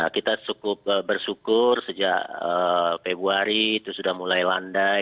kita cukup bersyukur sejak februari itu sudah mulai landai